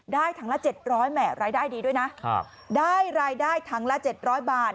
ถังละ๗๐๐แหมรายได้ดีด้วยนะได้รายได้ถังละ๗๐๐บาท